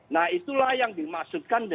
nah itulah yang dimaksudkan